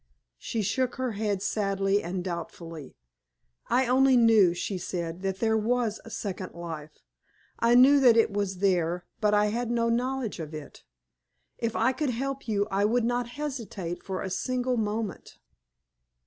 She shook her head sadly and doubtfully. "I only knew," she said, "that there was a second life. I knew that it was there, but I had no knowledge of it. If I could help you I would not hesitate for a single moment."